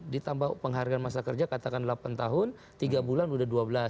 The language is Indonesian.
ditambah penghargaan masa kerja katakan delapan tahun tiga bulan sudah dua belas